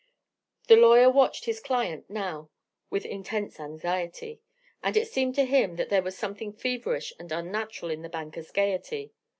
The lawyer watched his client now with intense anxiety; and it seemed to him that there was something feverish and unnatural in the banker's gaiety.